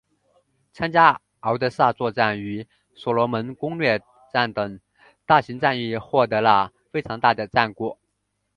参加敖德萨作战与所罗门攻略战等大型战役获得了非常大的战果。